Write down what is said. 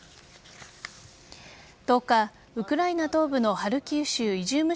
１０日、ウクライナ東部のハルキウ州イジューム